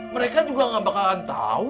mereka juga gak bakalan tahu